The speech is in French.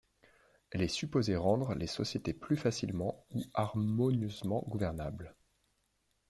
Elle est supposée rendre les sociétés plus facilement ou harmonieusement gouvernables.